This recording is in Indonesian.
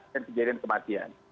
dan kejadian kematian